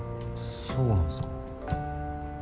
そうなんすか。